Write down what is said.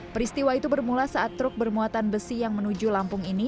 peristiwa itu bermula saat truk bermuatan besi yang menuju lampung ini